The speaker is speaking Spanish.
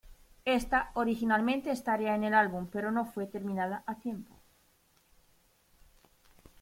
Esta, originalmente estaría en el álbum, pero no fue terminada a tiempo.